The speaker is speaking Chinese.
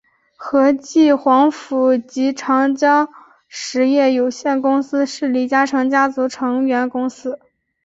和记黄埔及长江实业有限公司是李嘉诚家族成员公司。